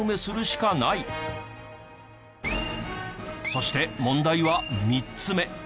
そして問題は３つ目。